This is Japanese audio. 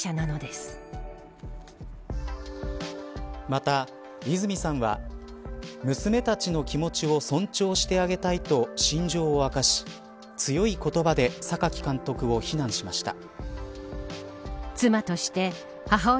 また、和さんは娘たちの気持ちを尊重してあげたいと心情を明かし強い言葉で榊監督を非難しました。